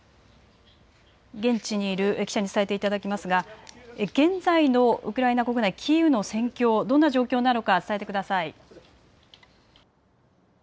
現地にいる記者に伝えていただきますが現在のウクライナ国内キーウの戦況、どんな状況なのか伝えてください。